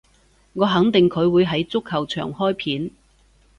我肯定佢會喺足球場開片